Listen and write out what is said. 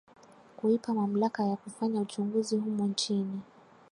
kuipa mamlaka ya kufanya uchunguzi humu nchini